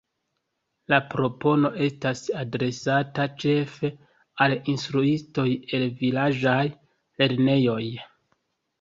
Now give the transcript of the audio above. La propono estas adresata ĉefe al instruistoj el vilaĝaj lernejoj.